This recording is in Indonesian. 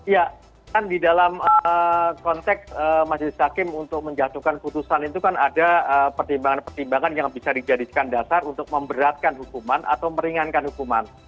ya kan di dalam konteks majelis hakim untuk menjatuhkan putusan itu kan ada pertimbangan pertimbangan yang bisa dijadikan dasar untuk memberatkan hukuman atau meringankan hukuman